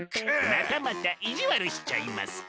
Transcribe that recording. またまたいじわるしちゃいますか！